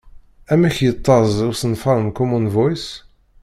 Amek yettaẓ usenfar n Common Voice?